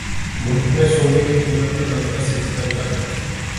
ملک میں سونے کی قیمت میں کمی کا سلسلہ جاری